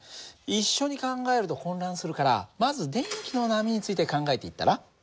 一緒に考えると混乱するからまず電気の波について考えていったら？